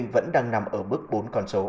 vẫn đang nằm ở mức bốn con số